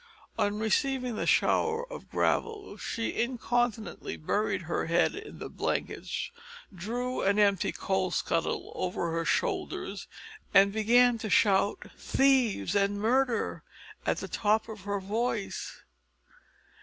On receiving the shower of gravel she incontinently buried her head in the blankets, drew an empty coal scuttle over her shoulders and began to shout thieves! and murder! at the top of her voice.